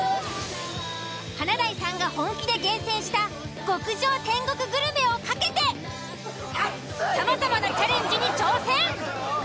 華大さんが本気で厳選した極上天国グルメを懸けてさまざまなチャレンジに挑戦！